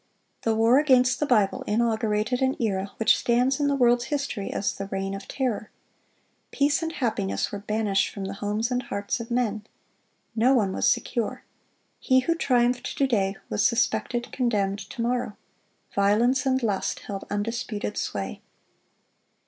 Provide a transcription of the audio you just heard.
The war against the Bible inaugurated an era which stands in the world's history as "The Reign of Terror." Peace and happiness were banished from the homes and hearts of men. No one was secure. He who triumphed to day was suspected, condemned, to morrow. Violence and lust held undisputed sway.